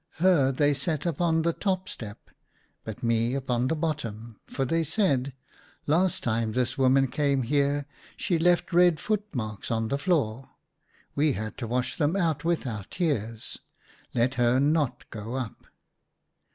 Her, they set upon the top step, but me, upon the bottom ; for, they said, " Last time this woman came here she left red foot marks on the floor ; we had to wash them out with our tears. Let her not go up."